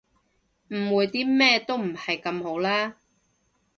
誤會啲咩都唔係咁好啦